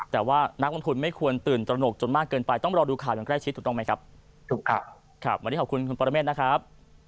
แต่ว่านักมะคุณไม่ควรตื่นตระหนกจนมากเกินไปต้องรอดูข่าวอย่างใกล้ชิดถูกล้องไหมครับ